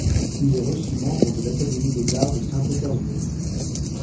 Il est reçu membre de l'Académie des Arts de Saint-Pétersbourg.